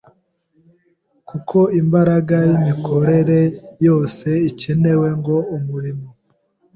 kuko imbaraga y’imikorere yose ikenewe ngo umurimo